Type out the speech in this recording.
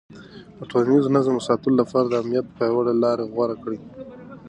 ده د ټولنيز نظم ساتلو لپاره د امنيت پياوړې لارې غوره کړې.